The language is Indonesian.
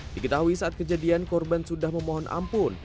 diketahui saat kejadian korban sudah memohon ampun